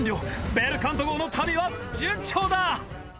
ベルカント号の旅は順調だ！